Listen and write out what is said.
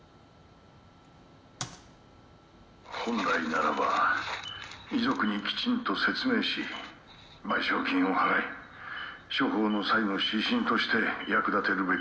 「本来ならば遺族にきちんと説明し賠償金を払い処方の際の指針として役立てるべき事例でした」